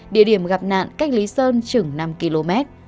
địa điểm gặp nạn cách lý sơn chừng năm km